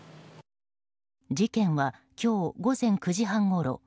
事件は今日午前９時半ごろ